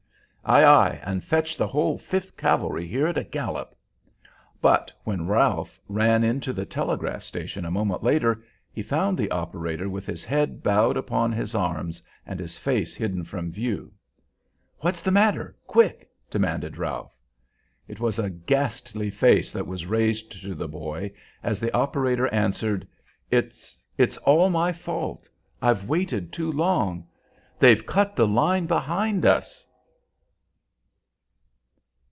"Ay, ay, and fetch the whole Fifth Cavalry here at a gallop!" But when Ralph ran into the telegraph station a moment later, he found the operator with his head bowed upon his arms and his face hidden from view. "What's the matter, quick?" demanded Ralph. It was a ghastly face that was raised to the boy, as the operator answered, "It it's all my fault. I've waited too long. _They've cut the line behind us!